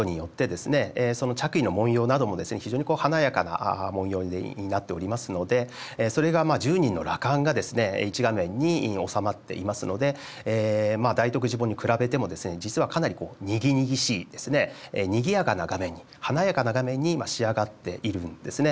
その着衣の紋様なども非常に華やかな紋様になっておりますのでそれが１０人の羅漢が一画面に収まっていますので「大徳寺本」に比べても実はかなりこうにぎにぎしいにぎやかな画面に華やかな画面に仕上がっているんですね。